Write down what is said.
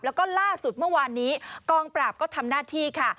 แล้วก็ล่าสุดเมื่อวานนี้กองปราบก็ทำหน้าที่ค่ะ